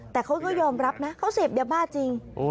แต่เขาก็ยอมรับนะเขาเสพยาบ้าจริง